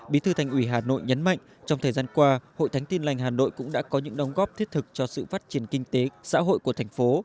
bí thư thành ủy hà nội nhấn mạnh trong thời gian qua hội thánh tin lành hà nội cũng đã có những đóng góp thiết thực cho sự phát triển kinh tế xã hội của thành phố